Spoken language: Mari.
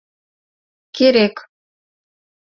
Керек...